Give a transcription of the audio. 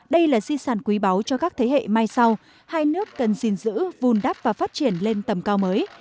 đây là di sản quý báu cho các thế hệ mai sau hai nước cần gìn giữ vùn đắp và phát triển lên tầm cao mới